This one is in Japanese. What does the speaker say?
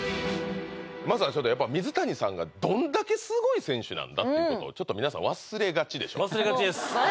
まずはちょっと水谷さんがどんだけすごい選手なんだってことをちょっと皆さん忘れがちでしょ？